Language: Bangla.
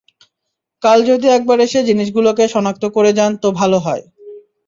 কাল যদি একবার এসে জিনিসগুলোকে শনাক্ত করে যান, তো ভালো হয়।